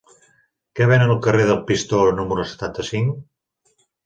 Què venen al carrer del Pistó número setanta-cinc?